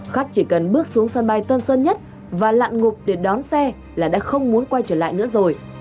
khách chỉ cần bước xuống sân bay tân sơn nhất và lặn ngục để đón xe là đã không muốn quay trở lại nữa rồi